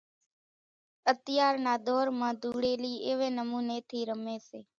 اتيار نا ڌور مان ڌوڙيلي ايوي نموني ٿي رمي سي۔